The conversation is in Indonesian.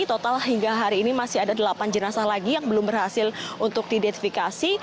total hingga hari ini masih ada delapan jenazah lagi yang belum berhasil untuk diidentifikasi